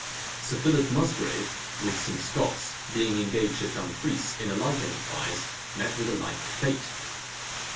Sir Philip Musgrave, with some Scots, being engaged at Dumfries in a like enterprise, met with a like fate.